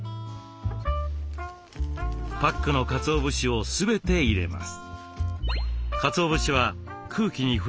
パックのかつお節を全て入れます。